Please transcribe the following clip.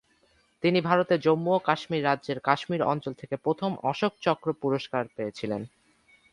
তিনি ভারতের জম্মু ও কাশ্মীর রাজ্যের কাশ্মীর অঞ্চল থেকে প্রথম অশোক চক্র পুরস্কার ছিলেন।